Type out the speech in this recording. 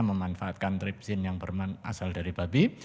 memanfaatkan tripsin yang berasal dari babi